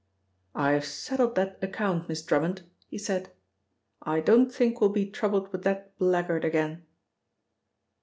"'I've settled that account, Miss Drummond,' he said. 'I don't think we'll be troubled with that blackguard again.'"